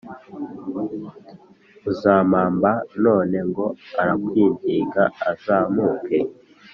uzampamba None ngo arakwinginga azamuke